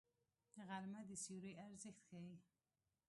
غرمه د سیوري ارزښت ښيي